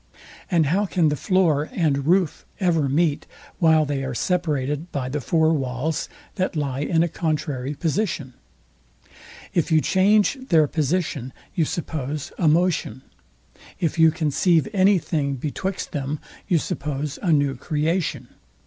And how can the floor and roof ever meet, while they are separated by the four walls, that lie in a contrary position? If you change their position, you suppose a motion. If you conceive any thing betwixt them, you suppose a new creation.